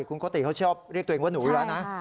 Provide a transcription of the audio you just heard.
คุณโกติเขาชอบเรียกตัวเองว่าหนูอยู่แล้วนะ